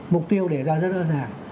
mục tiêu để ra rất đơn giản